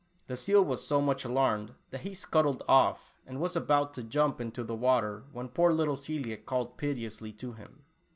The seal was so much alarmed, that he scuttled off, and was about to jump into the Ayater, when poor little Celia called piteously to him.